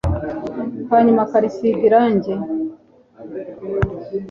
hanyuma akarisiga irange